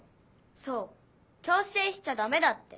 そう強せいしちゃダメだって。